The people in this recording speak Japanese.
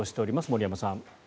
森山さん。